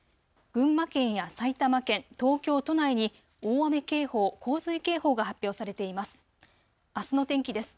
群馬県や埼玉県東京都内に大雨警報洪水警報が発表されています。